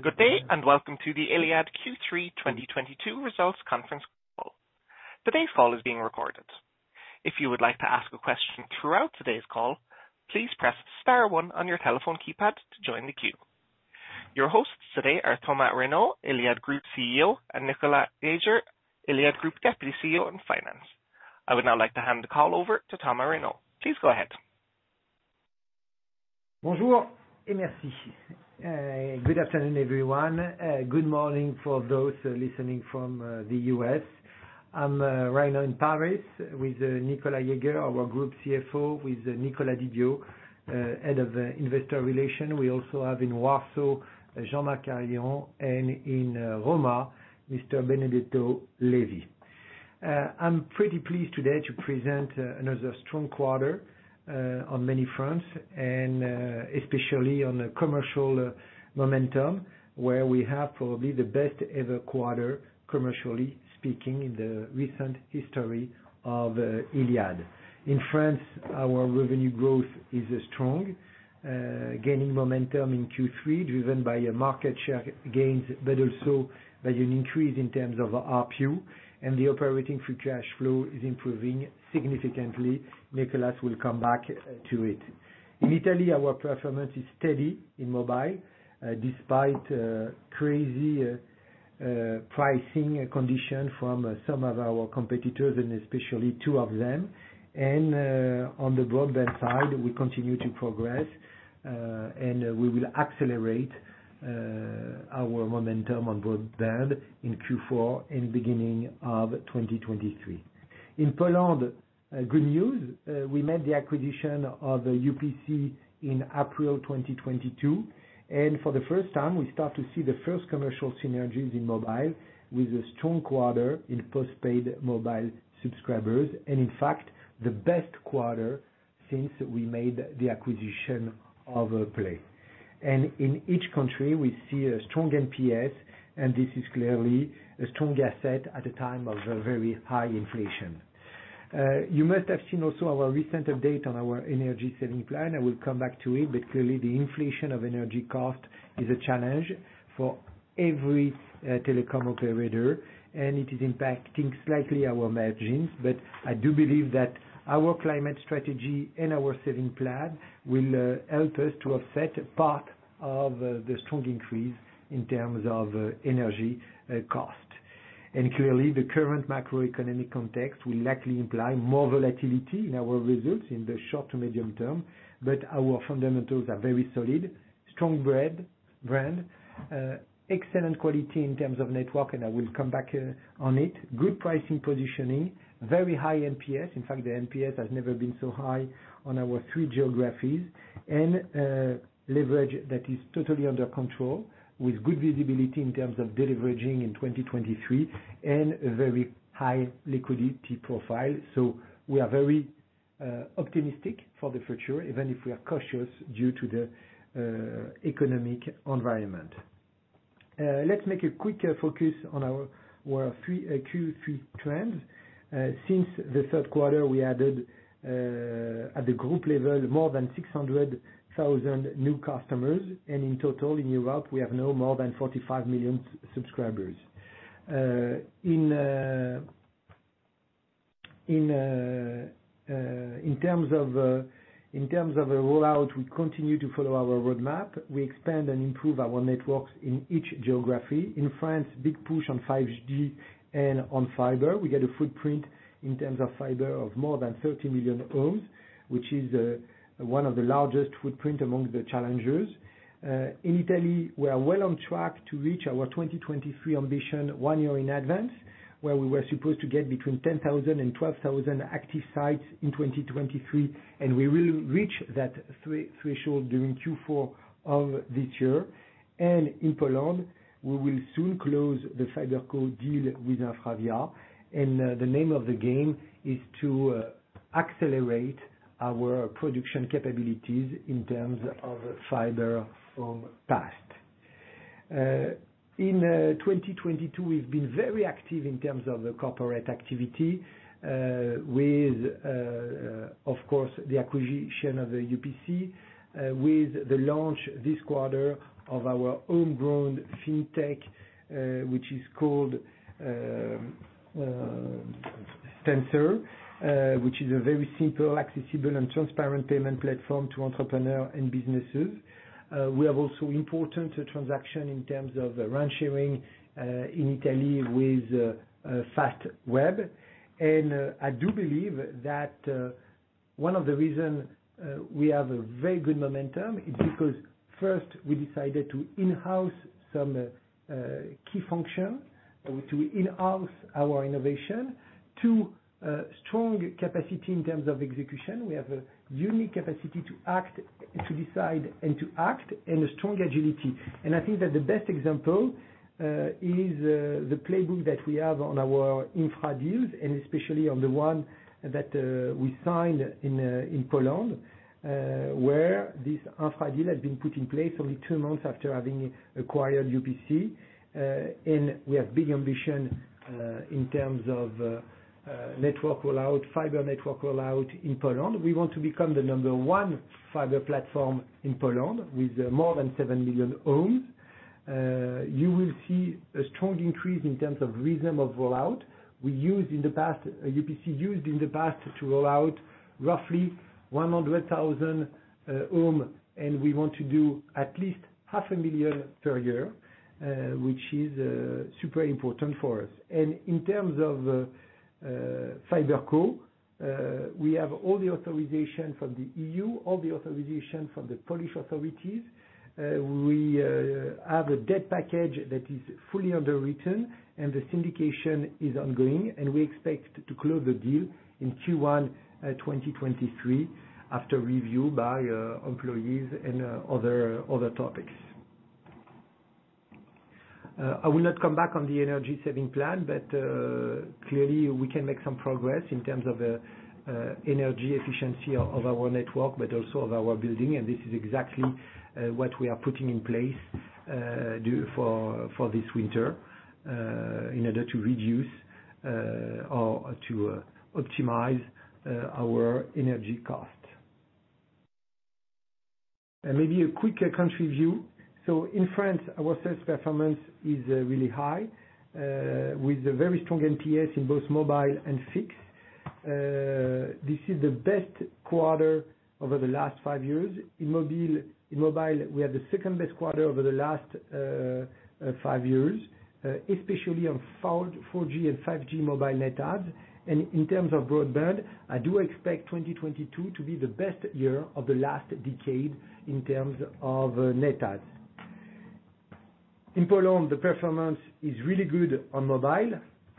Good day, and welcome to the Iliad Q3 2022 results conference call. Today's call is being recorded. If you would like to ask a question throughout today's call, please press star one on your telephone keypad to join the queue. Your hosts today are Thomas Reynaud, Iliad Group CEO, and Nicolas Jaeger, Iliad Group Deputy CEO and Group Chief Financial Officer. I would now like to hand the call over to Thomas Reynaud. Please go ahead. Bonjour et merci. Good afternoon, everyone. Good morning for those listening from the U.S. I'm right now in Paris with Nicolas Jaeger, our Group CFO, with Nicolas Didio, Head of Investor Relations. We also have in Warsaw, Jean-Marc Harion, and in Roma, Mr. Benedetto Levi. I'm pretty pleased today to present another strong quarter on many fronts, and especially on the commercial momentum, where we have probably the best ever quarter, commercially speaking, in the recent history of Iliad. In France, our revenue growth is strong, gaining momentum in Q3, driven by market share gains, but also by an increase in terms of ARPU. The operating free cash flow is improving significantly. Nicolas will come back to it. In Italy, our performance is steady in mobile, despite crazy pricing condition from some of our competitors, and especially two of them. On the broadband side, we continue to progress, and we will accelerate our momentum on broadband in Q4 and beginning of 2023. In Poland, good news, we made the acquisition of UPC in April 2022, and for the first time, we start to see the first commercial synergies in mobile with a strong quarter in postpaid mobile subscribers, and in fact, the best quarter since we made the acquisition of Play. In each country, we see a strong NPS, and this is clearly a strong asset at a time of very high inflation. You must have seen also our recent update on our energy saving plan. I will come back to it, but clearly the inflation of energy cost is a challenge for every telecom operator, and it is impacting slightly our margins. I do believe that our climate strategy and our saving plan will help us to offset part of the strong increase in terms of energy cost. Clearly, the current macroeconomic context will likely imply more volatility in our results in the short to medium term, but our fundamentals are very solid. Strong brand, excellent quality in terms of network, and I will come back on it. Good pricing positioning, very high NPS. In fact, the NPS has never been so high on our three geographies. Leverage that is totally under control with good visibility in terms of deleveraging in 2023 and a very high liquidity profile. We are very optimistic for the future, even if we are cautious due to the economic environment. Let's make a quick focus on our Q3 trends. Since the third quarter, we added at the group level, more than 600,000 new customers. In total, in Europe, we have now more than 45 million subscribers. In terms of a rollout, we continue to follow our roadmap. We expand and improve our networks in each geography. In France, big push on 5G and on fiber. We get a footprint in terms of fiber of more than 30 million homes, which is one of the largest footprint among the challengers. In Italy, we are well on track to reach our 2023 ambition one year in advance, where we were supposed to get between 10,000 and 12,000 active sites in 2023, and we will reach that 12,000 threshold during Q4 of this year. In Poland, we will soon close the FiberCo deal with InfraVia. The name of the game is to accelerate our production capabilities in terms of fiber footprint. In 2022, we've been very active in terms of the corporate activity, with the acquisition of the UPC, with the launch this quarter of our home-grown fintech, which is called Stancer, which is a very simple, accessible and transparent payment platform to entrepreneur and businesses. We have also important transaction in terms of rent sharing, in Italy with Fastweb. I do believe that one of the reason we have a very good momentum is because first we decided to in-house some key function to enhance our innovation. Two, strong capacity in terms of execution. We have a unique capacity to decide and to act, and a strong agility. I think that the best example is the playbook that we have on our infra deals, and especially on the one that we signed in Poland, where this infra deal has been put in place only two months after having acquired UPC. We have big ambition in terms of network rollout, fiber network rollout in Poland. We want to become the number one fiber platform in Poland with more than 7 million homes. You will see a strong increase in terms of rhythm of rollout. UPC used in the past to roll out roughly 100,000 homes, and we want to do at least 500,000 per year, which is super important for us. In terms of Fiberco, we have all the authorization from the EU, all the authorization from the Polish authorities. We have a debt package that is fully underwritten and the syndication is ongoing, and we expect to close the deal in Q1 2023 after review by employees and other topics. I will not come back on the energy saving plan, but clearly we can make some progress in terms of the energy efficiency of our network, but also of our building. This is exactly what we are putting in place for this winter in order to reduce or to optimize our energy costs. Maybe a quicker country view. In France, our sales performance is really high with a very strong NPS in both mobile and fixed. This is the best quarter over the last five years. In mobile, we have the second best quarter over the last five years, especially on 4G and 5G mobile net adds. In terms of broadband, I do expect 2022 to be the best year of the last decade in terms of net adds. In Poland, the performance is really good on mobile.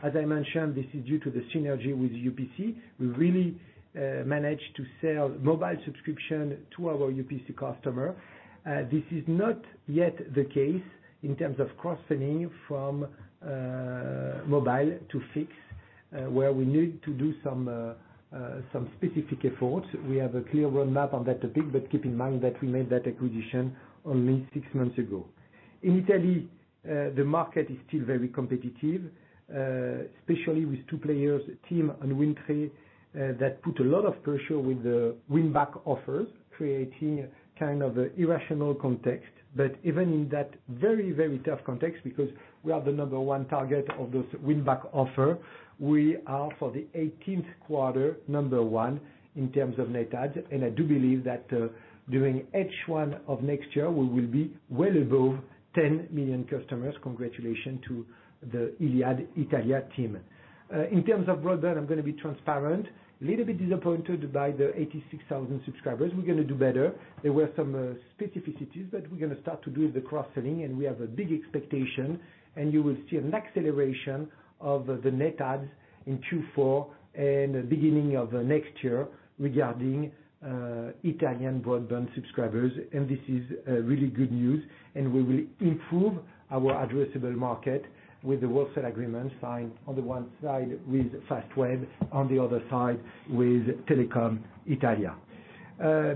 As I mentioned, this is due to the synergy with UPC. We really managed to sell mobile subscription to our UPC customer. This is not yet the case in terms of cross-selling from mobile to fixed, where we need to do some specific efforts. We have a clear roadmap on that topic, but keep in mind that we made that acquisition only six months ago. In Italy, the market is still very competitive, especially with two players, TIM and WINDTRE, that put a lot of pressure with the win back offers, creating a kind of irrational context. Even in that very, very tough context, because we are the number one target of those win back offer, we are for the 18th quarter number one in terms of net adds. I do believe that, during H1 of next year, we will be well above 10 million customers. Congratulations to the Iliad Italia team. In terms of broadband, I'm gonna be transparent. A little bit disappointed by the 86,000 subscribers. We're gonna do better. There were some specificities that we're gonna start to do with the cross-selling, and we have a big expectation. You will see an acceleration of the net adds in Q4 and beginning of next year regarding Italian broadband subscribers. This is really good news, and we will improve our addressable market with the wholesale agreement signed on the one side with Fastweb, on the other side with Telecom Italia.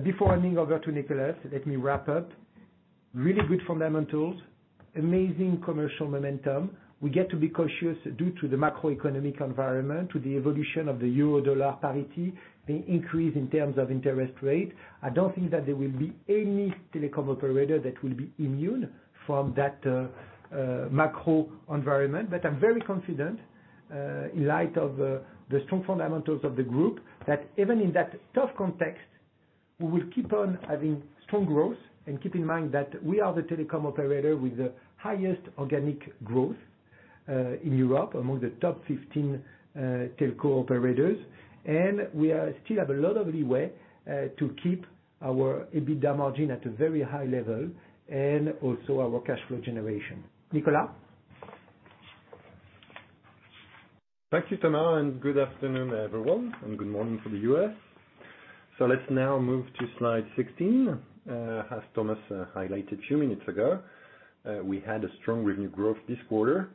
Before handing over to Nicolas, let me wrap up. Really good fundamentals, amazing commercial momentum. We get to be cautious due to the macroeconomic environment, to the evolution of the euro dollar parity, the increase in terms of interest rate. I don't think that there will be any telecom operator that will be immune from that macro environment. I'm very confident in light of the strong fundamentals of the group, that even in that tough context, we will keep on having strong growth. Keep in mind that we are the telecom operator with the highest organic growth in Europe among the top 15 telco operators. We still have a lot of leeway to keep our EBITDA margin at a very high level and also our cash flow generation. Nicolas? Thank you, Thomas, and good afternoon, everyone, and good morning to the U.S. Let's now move to slide 16. As Thomas highlighted a few minutes ago, we had a strong revenue growth this quarter.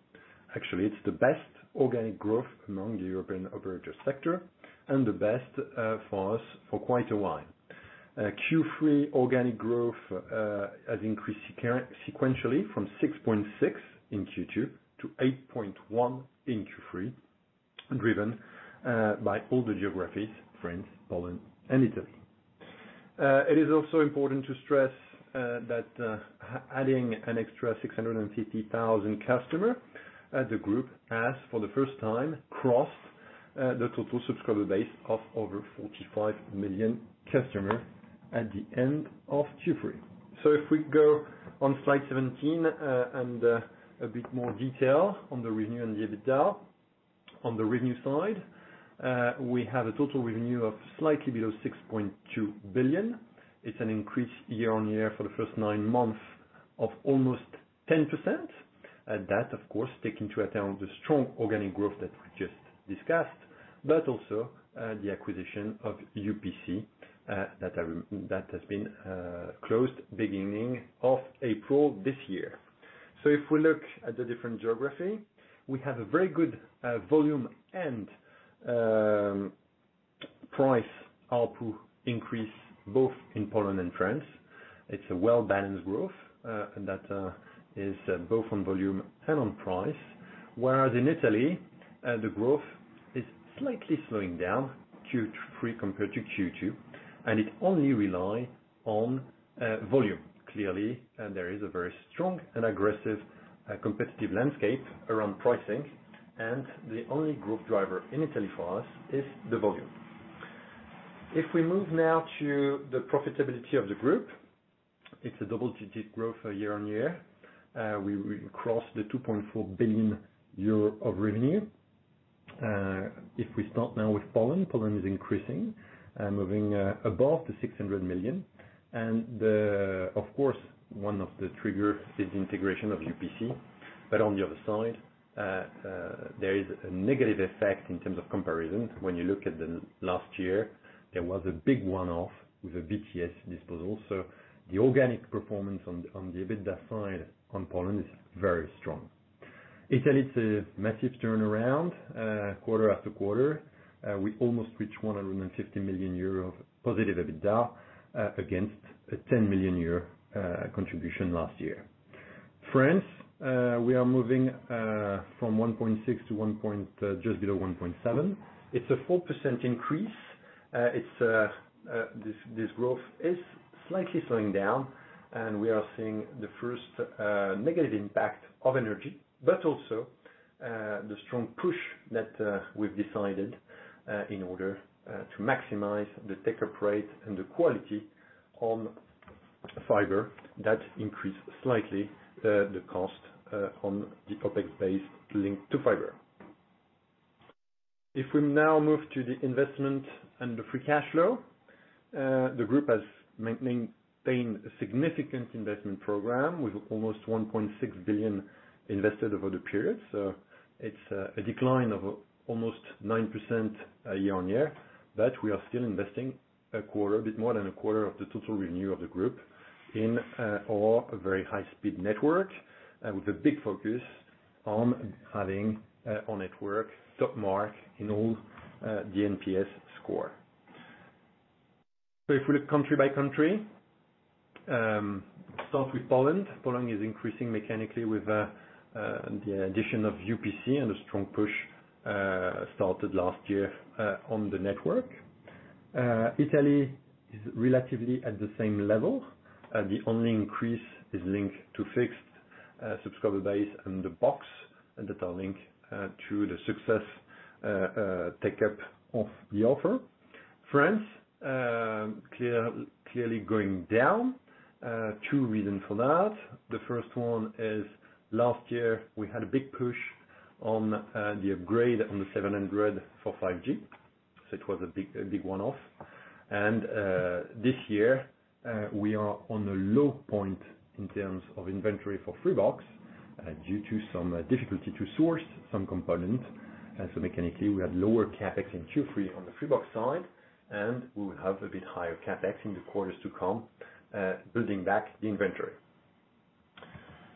Actually, it's the best organic growth among the European operator sector and the best for us for quite a while. Q3 organic growth has increased sequentially from 6.6% in Q2 to 8.1% in Q3, driven by all the geographies: France, Poland, and Italy. It is also important to stress that adding an extra 650,000 customers, the group has, for the first time, crossed the total subscriber base of over 45 million customers at the end of Q3. If we go on slide 17, and a bit more detail on the revenue and EBITDA. On the revenue side, we have a total revenue of slightly below 6.2 billion. It's an increase year-on-year for the first nine months of almost 10%. That, of course, taking into account the strong organic growth that we just discussed, but also the acquisition of UPC that has been closed beginning of April this year. If we look at the different geographies, we have a very good volume and price ARPU increase both in Poland and France. It's a well-balanced growth that is both on volume and on price. Whereas in Italy, the growth is slightly slowing down Q3 compared to Q2, and it only rely on volume. Clearly, there is a very strong and aggressive competitive landscape around pricing, and the only growth driver in Italy for us is the volume. If we move now to the profitability of the group, it's a double-digit growth year-over-year. We crossed the 2.4 billion euro of revenue. If we start now with Poland is increasing moving above the 600 million. Of course, one of the triggers is integration of UPC. But on the other side, there is a negative effect in terms of comparison. When you look at the last year, there was a big one-off with a BTS disposal, so the organic performance on the EBITDA side on Poland is very strong. Italy, it's a massive turnaround quarter after quarter. We almost reached 150 million euro positive EBITDA against a 10 million euro contribution last year. France, we are moving from 1.6% to just below 1.7%. It's a 4% increase. This growth is slightly slowing down, and we are seeing the first negative impact of energy, but also the strong push that we've decided in order to maximize the take-up rate, and the quality on fiber that increased slightly the cost on the OpEx base linked to fiber. If we now move to the investment and the free cash flow, the group has maintained a significant investment program with almost 1.6 billion invested over the period. It's a decline of almost 9% year-on-year, but we are still investing a quarter, a bit more than a quarter of the total revenue of the group in our very high-speed network, with a big focus on having our network top mark in all the NPS score. If we look country by country, start with Poland. Poland is increasing mechanically with the addition of UPC, and a strong push started last year on the network. Italy is relatively at the same level. The only increase is linked to fixed subscriber base and the box that are linked to the success take-up of the offer. France clearly going down. Two reasons for that. The first one is last year we had a big push on the upgrade on the 700 MHz for 5G, so it was a big one-off. This year we are on a low point in terms of inventory for Freebox due to some difficulty to source some components. Mechanically, we had lower CapEx in Q3 on the Freebox side, and we will have a bit higher CapEx in the quarters to come, building back the inventory.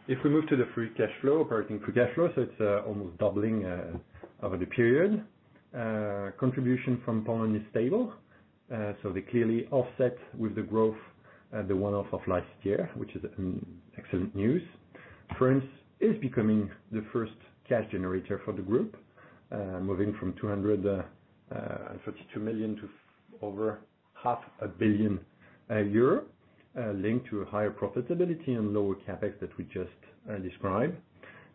If we move to the free cash flow, operating free cash flow, it's almost doubling over the period. Contribution from Poland is stable, so they clearly offset with the growth the one-off of last year, which is excellent news. France is becoming the first cash generator for the group, moving from 232 million to over 500 million a year, linked to a higher profitability and lower CapEx that we just described.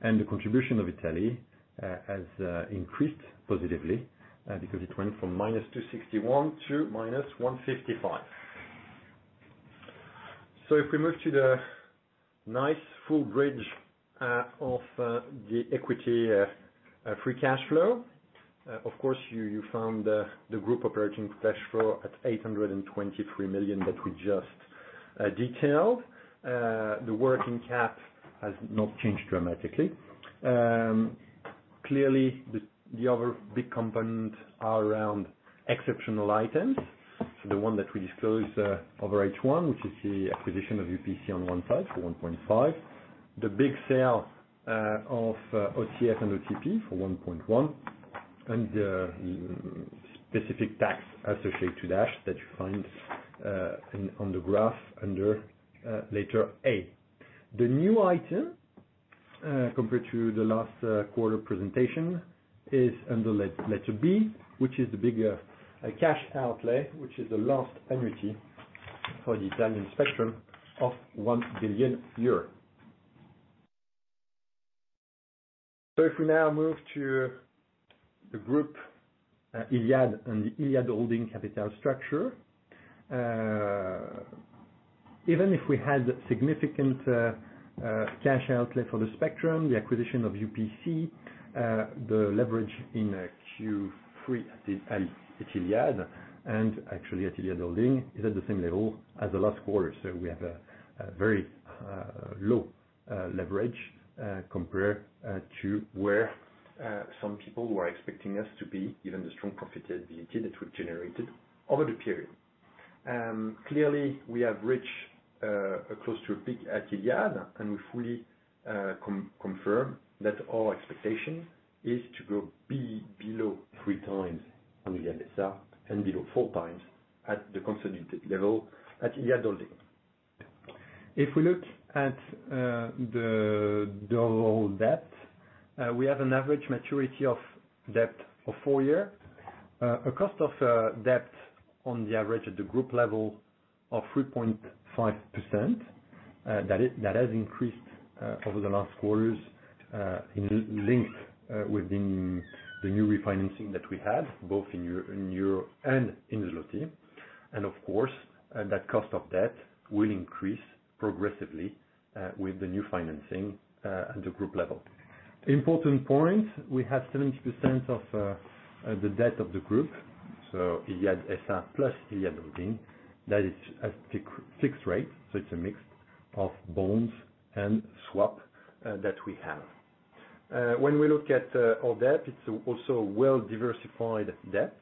The contribution of Italy has increased positively, because it went from -261 million to -155 million. If we move to the next full bridge of the equity free cash flow. Of course, you found the group operating cash flow at 823 million that we just detailed. The working capital has not changed dramatically. Clearly, the other big components are around exceptional items. The one that we disclosed over H1, which is the acquisition of UPC on one side for 1.5 billion. The big sale of OTF and OTP for 1.1 billion. Specific tax associated to that you find on the graph under letter A. The new item compared to the last quarter presentation is under letter B, which is the bigger cash outlay, which is the last annuity for the Italian spectrum of 1 billion euros. If we now move to the group Iliad and the Iliad Holding capital structure, even if we had significant cash outlay for the spectrum, the acquisition of UPC, the leverage in Q3 at Iliad and actually at Iliad Holding is at the same level as the last quarter. We have a very low leverage compared to where some people were expecting us to be, given the strong profitability that we've generated over the period. Clearly, we have reached close to a peak at Iliad, and we fully confirm that our expectation is to go be below 3x on the EBITDA and below 4x at the consolidated level at Iliad Holding. If we look at the overall debt, we have an average maturity of debt of four years. A cost of debt on average at the group level of 3.5%, that has increased over the last quarters in Iliad within the new refinancing that we had, both in EUR in Europe and in the Zloty. Of course, that cost of debt will increase progressively with the new financing at the group level. Important point, we have 70% of the debt of the group, so Iliad S.A. plus Iliad Italia, that is at fixed rate, so it's a mix of bonds and swaps that we have. When we look at our debt, it's also a well-diversified debt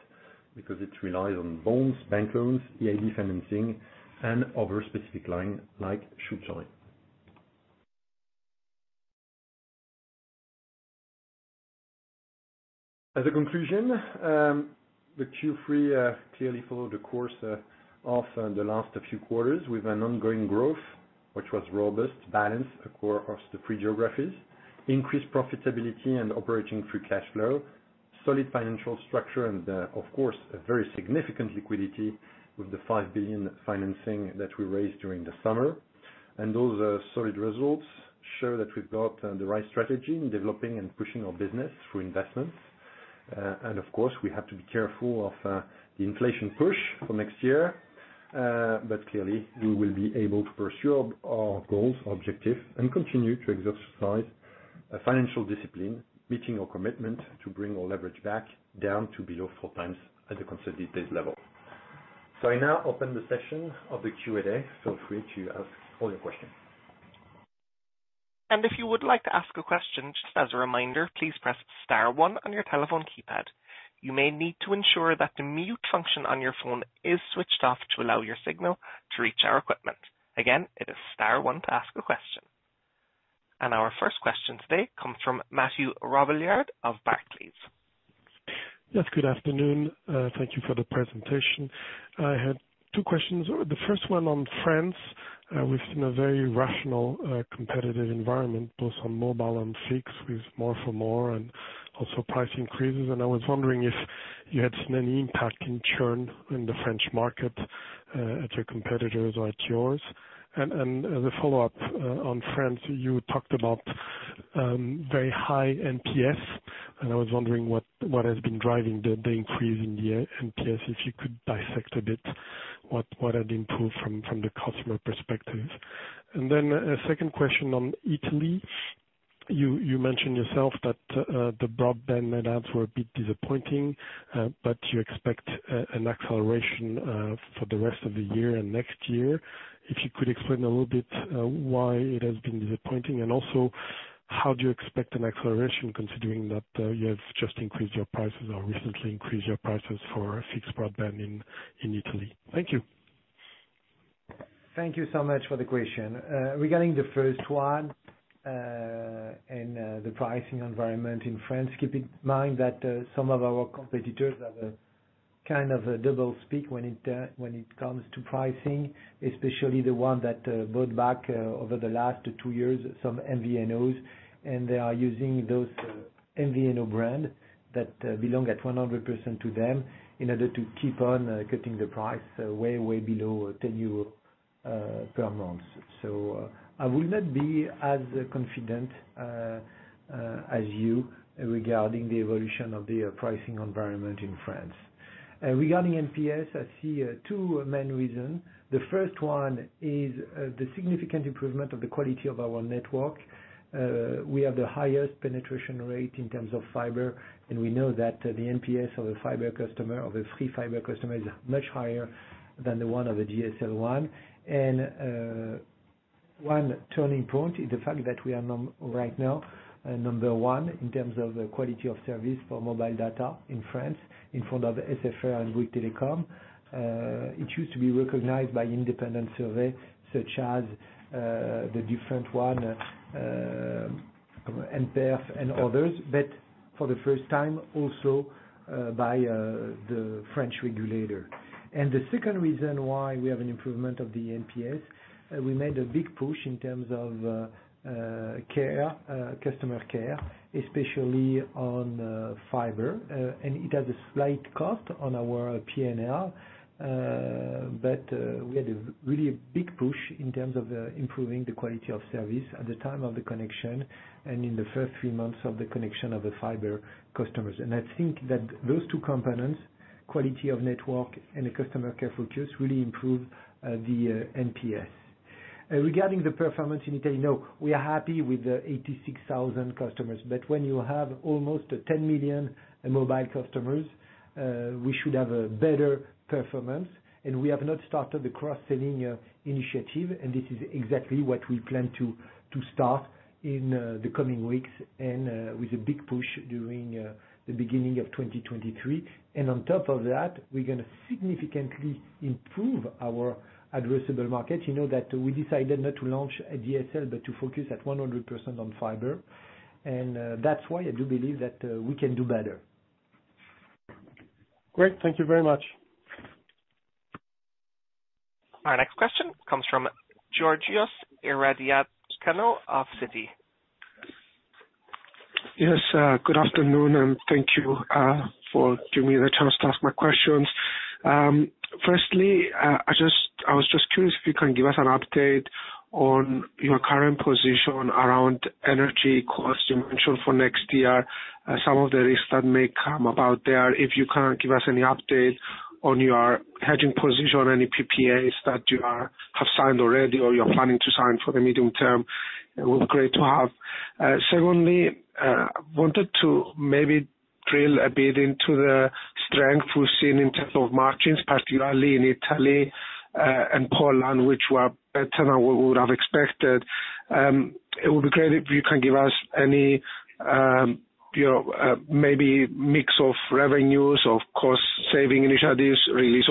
because it relies on bonds, bank loans, EIB financing and other specific line like Schuldschein. As a conclusion, the Q3 clearly followed the course of the last few quarters with an ongoing growth, which was robust, balanced across the three geographies, increased profitability and operating free cash flow, solid financial structure and, of course, a very significant liquidity with the 5 billion financing that we raised during the summer. Those solid results show that we've got the right strategy in developing and pushing our business through investments. Of course, we have to be careful of the inflation push for next year. Clearly, we will be able to pursue our goals, our objective, and continue to exercise a financial discipline, meeting our commitment to bring our leverage back down to below four times at the consolidated level. I now open the session of the Q&A. Feel free to ask all your questions. If you would like to ask a question, just as a reminder, please press star one on your telephone keypad. You may need to ensure that the mute function on your phone is switched off to allow your signal to reach our equipment. Again, it is star one to ask a question. Our first question today comes from Mathieu Robilliard of Barclays. Yes, good afternoon. Thank you for the presentation. I had two questions. The first one on France. We've seen a very rational competitive environment, both on mobile and fixed, with more for more and also price increases. I was wondering if you had seen any impact in churn in the French market at your competitors or at yours. As a follow-up on France, you talked about very high NPS, and I was wondering what has been driving the increase in the NPS, if you could dissect a bit what had improved from the customer perspective. A second question on Italy. You mentioned yourself that the broadband net adds were a bit disappointing, but you expect an acceleration for the rest of the year and next year. If you could explain a little bit why it has been disappointing, and also how do you expect an acceleration considering that you have just increased your prices or recently increased your prices for fixed broadband in Italy? Thank you. Thank you so much for the question. Regarding the first one, and the pricing environment in France, keep in mind that some of our competitors have a kind of a double speak when it comes to pricing, especially the one that bought back over the last two years some MVNOs, and they are using those MVNO brands that belong one hundred percent to them in order to keep on cutting the price way below 10 euros per month. I would not be as confident as you regarding the evolution of the pricing environment in France. Regarding NPS, I see two main reasons. The first one is the significant improvement of the quality of our network. We have the highest penetration rate in terms of fiber, and we know that the NPS of a fiber customer, of a free fiber customer, is much higher than the one of a DSL one. One turning point is the fact that we are right now number one in terms of the quality of service for mobile data in France in front of SFR and Bouygues Telecom. It used to be recognized by independent survey, such as the different one, nPerf and others, but for the first time, also by the French regulator. The second reason why we have an improvement of the NPS, we made a big push in terms of care, customer care, especially on fiber. It has a slight cost on our P&L. We had a really big push in terms of improving the quality of service at the time of the connection, and in the first three months of the connection of the fiber customers. I think that those two components, quality of network and a customer care focus, really improve the NPS. Regarding the performance in Italy, no, we are happy with the 86,000 customers, but when you have almost 10 million mobile customers, we should have a better performance. We have not started the cross-selling initiative, and this is exactly what we plan to start in the coming weeks, and with a big push during the beginning of 2023. On top of that, we're gonna significantly improve our addressable market. You know that we decided not to launch a DSL, but to focus 100% on fiber. That's why I do believe that we can do better. Great. Thank you very much. Our next question comes from Georgios Ierodiaconou of Citi. Yes, good afternoon, and thank you for giving me the chance to ask my questions. Firstly, I was just curious if you can give us an update on your current position around energy costs you mentioned for next year. Some of the risks that may come about there, if you can give us any update on your hedging position, any PPAs that you have signed already or you're planning to sign for the medium term, it would be great to have. Secondly, wanted to maybe drill a bit into the strength we've seen in terms of margins, particularly in Italy, and Poland, which were better than we would have expected. It would be great if you can give us any, you know, maybe mix of revenues, of cost saving initiatives, release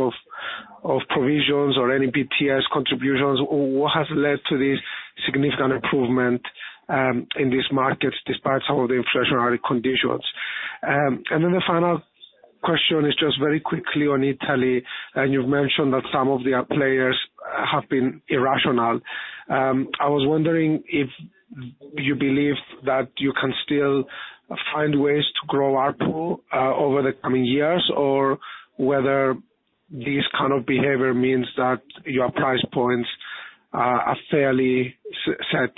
of provisions or any BTS contributions or what has led to this significant improvement, in this market despite some of the inflationary conditions. The final question is just very quickly on Italy, and you've mentioned that some of the players have been irrational. I was wondering if you believe that you can still find ways to grow ARPU, over the coming years, or whether this kind of behavior means that your price points are fairly set,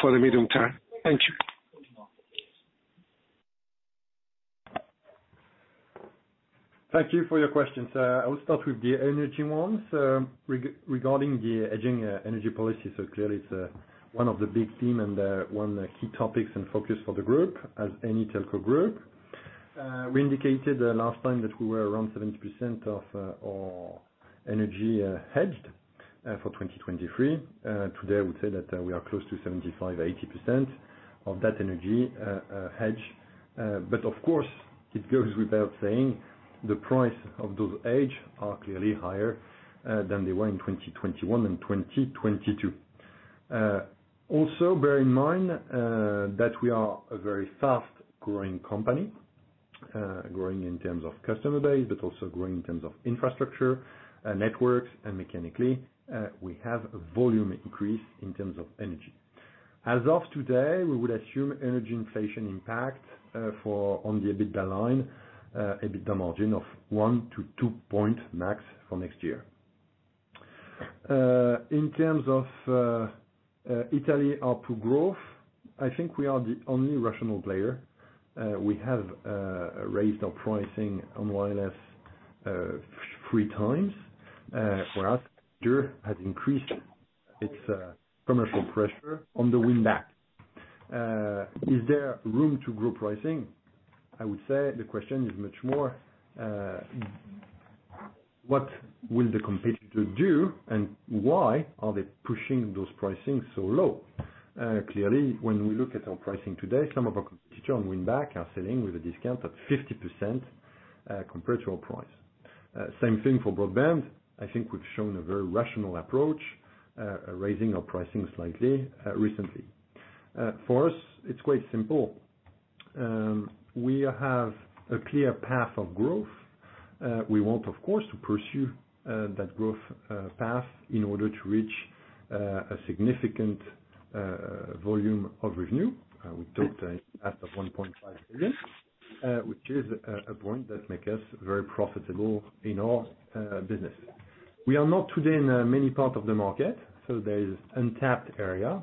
for the medium term. Thank you. Thank you for your questions. I will start with the energy ones. Regarding the hedging, energy policy, clearly it's one of the big theme and one key topics and focus for the group, as any telco group. We indicated last time that we were around 70% of our energy hedged for 2023. Today, I would say that we are close to 75%-80% of that energy hedged. But of course, it goes without saying the price of those hedged are clearly higher than they were in 2021 and 2022. Also bear in mind that we are a very fast growing company, growing in terms of customer base, but also growing in terms of infrastructure, networks. Mechanically, we have a volume increase in terms of energy. As of today, we would assume energy inflation impact on the EBITDA line, EBITDA margin of 1-2 point max for next year. In terms of Italy ARPU growth, I think we are the only rational player. We have raised our pricing on wireless 3x. For us, TIM has increased its commercial pressure on the win-back. Is there room to grow pricing? I would say the question is much more, what will the competitor do? Why are they pushing those pricing so low? Clearly, when we look at our pricing today, some of our competitors on win-back are selling with a discount at 50%, compared to our price. Same thing for broadband. I think we've shown a very rational approach, raising our pricing slightly, recently. For us, it's quite simple. We have a clear path of growth. We want, of course, to pursue that growth path in order to reach a significant volume of revenue. We talked as of 1.5 billion, which is a point that makes us very profitable in our business. We are not today in many parts of the market, so there is untapped area.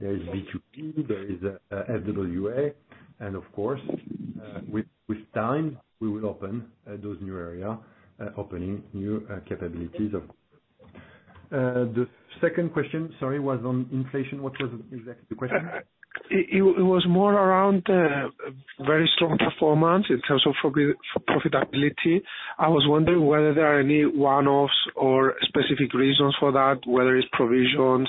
There is B2B, there is FWA, and of course, with time, we will open those new area opening new capabilities. The second question, sorry, was on inflation. What was exactly the question? It was more around very strong performance in terms of profitability. I was wondering whether there are any one-offs or specific reasons for that, whether it's provisions,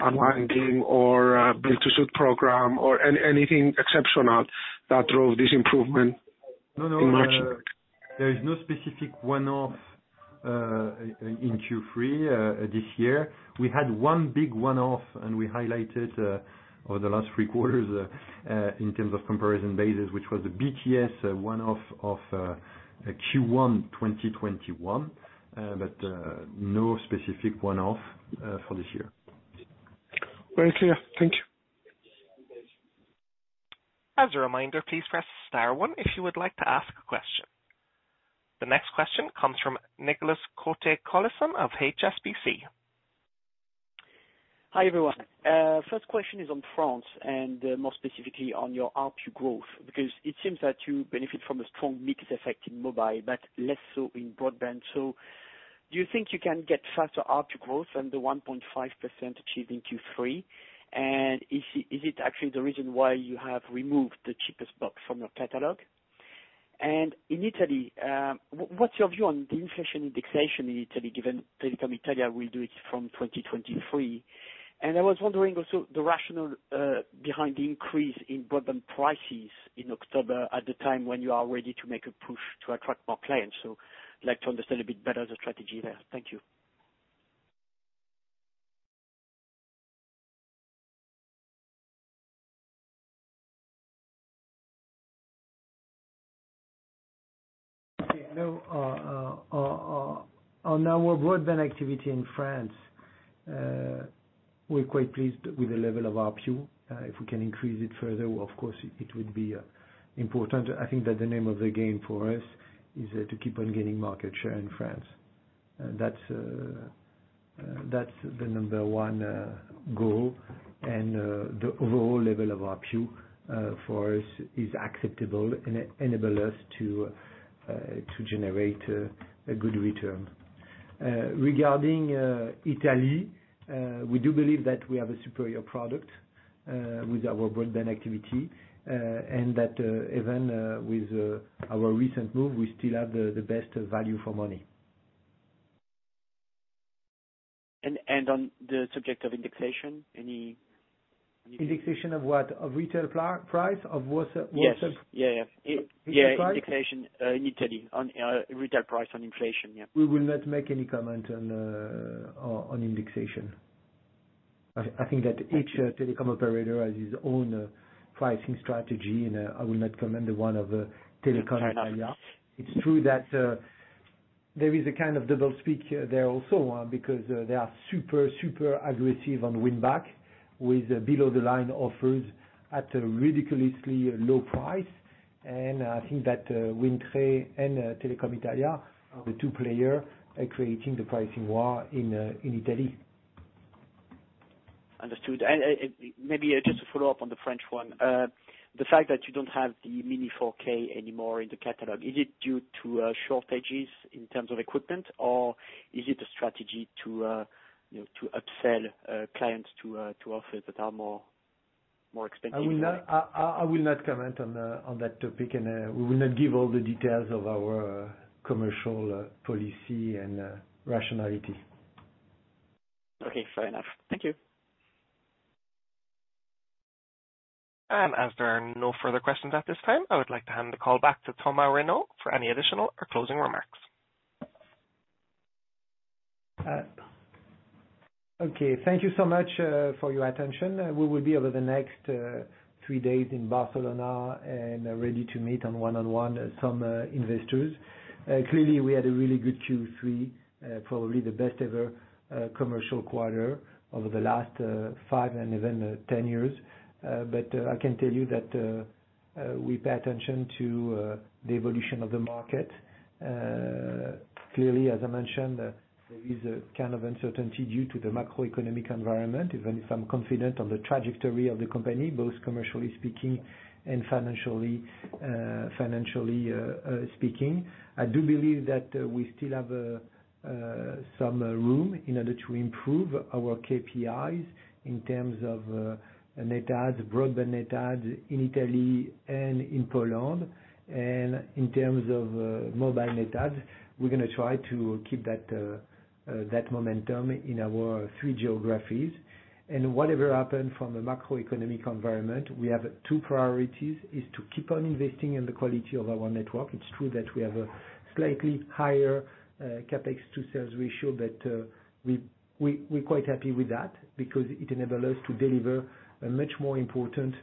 unwinding or build-to-suit program or anything exceptional that drove this improvement? No, no. In March. There is no specific one-off in Q3 this year. We had one big one-off, and we highlighted over the last three quarters in terms of comparison basis, which was the BTS one-off of Q1 2021, but no specific one-off for this year. Very clear. Thank you. As a reminder, please press star one if you would like to ask a question. The next question comes from Nicolas Cote-Colisson of HSBC. Hi, everyone. First question is on France and, more specifically on your ARPU growth, because it seems that you benefit from a strong mix effect in mobile, but less so in broadband. Do you think you can get faster ARPU growth than the 1.5% achieved in Q3? And is it actually the reason why you have removed the cheapest box from your catalog? In Italy, what's your view on the inflation indexation in Italy, given Telecom Italia will do it from 2023? I was wondering also the rationale behind the increase in broadband prices in October at the time when you are ready to make a push to attract more clients. I'd like to understand a bit better the strategy there. Thank you. Okay. Now, on our broadband activity in France, we're quite pleased with the level of our ARPU. If we can increase it further, of course, it would be important. I think that the name of the game for us is to keep on gaining market share in France. That's the number one goal, and the overall level of our ARPU for us is acceptable and enable us to generate a good return. Regarding Italy, we do believe that we have a superior product with our broadband activity, and that even with our recent move, we still have the best value for money. On the subject of indexation? Indexation of what? Of retail price, of wholesale? Yes. Retail price? Yeah, indexation in Italy on retail price on inflation, yeah. We will not make any comment on indexation. I think that each telecom operator has his own pricing strategy, and I will not comment the one of Telecom Italia. It's true that there is a kind of double speak there also, because they are super aggressive on win back with below the line offers at a ridiculously low price. I think that WINDTRE and Telecom Italia are the two players creating the pricing war in Italy. Understood. Maybe just to follow up on the French one. The fact that you don't have the Freebox Mini 4K anymore in the catalog, is it due to shortages in terms of equipment? Or is it a strategy to you know to upsell clients to offers that are more expensive? I will not comment on that topic. We will not give all the details of our commercial policy and rationality. Okay, fair enough. Thank you. As there are no further questions at this time, I would like to hand the call back to Thomas Reynaud for any additional or closing remarks. Okay. Thank you so much for your attention. We will be over the next three days in Barcelona and ready to meet on one-on-one some investors. Clearly, we had a really good Q3, probably the best ever commercial quarter over the last five and even 10 years. I can tell you that we pay attention to the evolution of the market. Clearly, as I mentioned, there is a kind of uncertainty due to the macroeconomic environment, even if I'm confident on the trajectory of the company, both commercially speaking and financially speaking. I do believe that we still have some room in order to improve our KPIs in terms of net adds, broadband net adds in Italy and in Poland. In terms of mobile net adds, we're gonna try to keep that momentum in our three geographies. Whatever happens in the macroeconomic environment, we have two priorities. Is to keep on investing in the quality of our network. It's true that we have a slightly higher CapEx to sales ratio, but we're quite happy with that because it enable us to deliver a much more important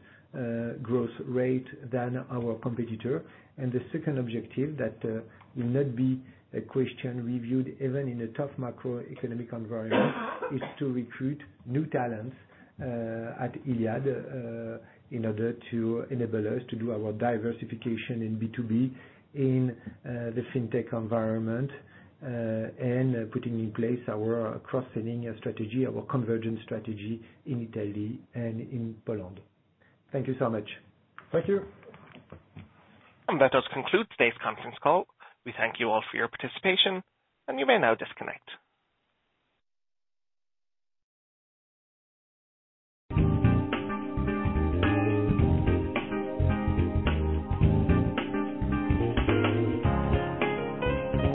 growth rate than our competitor. The second objective that will not be questioned even in a tough macroeconomic environment is to recruit new talents at Iliad in order to enable us to do our diversification in B2B, in the fintech environment, and putting in place our cross-selling strategy, our convergence strategy in Italy and in Poland. Thank you so much. Thank you. That does conclude today's conference call. We thank you all for your participation, and you may now disconnect.